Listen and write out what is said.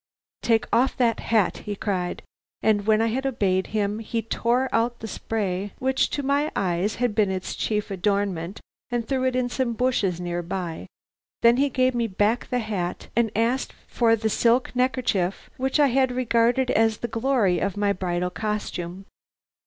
'Take off that hat,' he cried, and when I had obeyed him, he tore out the spray which to my eyes had been its chief adornment, and threw it into some bushes near by; then he gave me back the hat and asked for the silk neckerchief which I had regarded as the glory of my bridal costume.